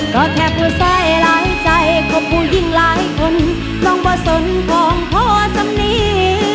ก็แค่ผู้ใส่หลายใจโคบคู่ยิ่งหลายคนน้องบ่ส่งคล่องท้อชำนี